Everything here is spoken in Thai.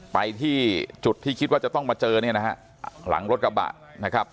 ไปที่จุดที่คิดว่าจะต้องมาเจอเนี่ยนะฮะหลังรถกระบะนะครับ